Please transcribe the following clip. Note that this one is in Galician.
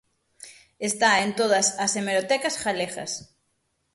Está en todas as hemerotecas galegas.